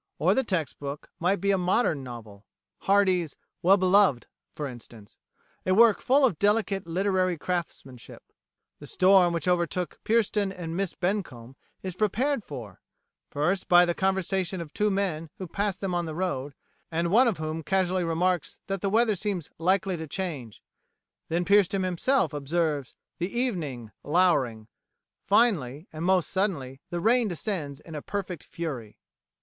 Or the text book might be a modern novel Hardy's "Well Beloved" for instance a work full of delicate literary craftsmanship. The storm which overtook Pierston and Miss Bencomb is prepared for first by the conversation of two men who pass them on the road, and one of whom casually remarks that the weather seems likely to change; then Pierston himself observes "the evening louring"; finally, and most suddenly, the rain descends in perfect fury.